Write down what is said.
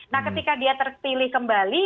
nah ketika dia terpilih kembali